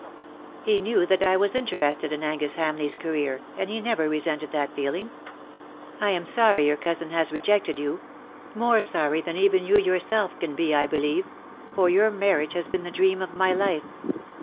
He knew that I was interested in Angus Hamleigh's career, and he never resented that feeling. I am sorry your cousin has rejected you — more sorry than even you yourself can be, I believe — for your marriage has been the dream of my life.